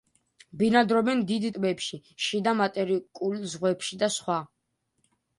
ბინადრობდნენ დიდ ტბებში, შიდა მატერიკულ ზღვებში და სხვა.